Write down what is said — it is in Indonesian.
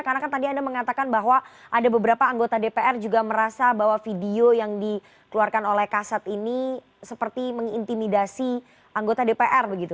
karena kan tadi anda mengatakan bahwa ada beberapa anggota dpr juga merasa bahwa video yang dikeluarkan oleh kasas ini seperti mengintimidasi anggota dpr begitu